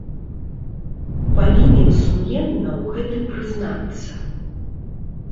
Павінен сумленна ў гэтым прызнацца.